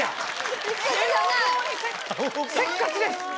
せっかちです！